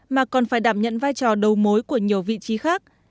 mà còn phải đảm nhận vai trò đầu mối của nhiều vị trí khác